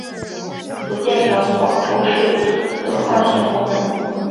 福建省泉州市德化县工人。